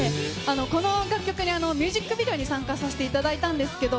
この楽曲でミュージックビデオに参加させていただいたんですけど、